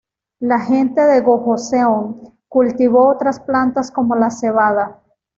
La gente de Gojoseon cultivó otras plantas como la cebada.